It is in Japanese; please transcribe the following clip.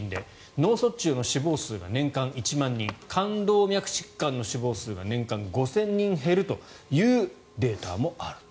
脳卒中の死亡率が年間１万人冠動脈疾患の死亡数が年間５０００人減るというデータもあると。